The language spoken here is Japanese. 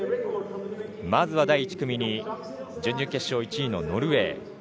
まずは第１組に準々決勝１位のノルウェー。